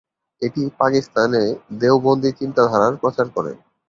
এটি পাকিস্তানে দেওবন্দি চিন্তাধারার প্রচার করে।